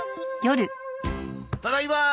ただいま。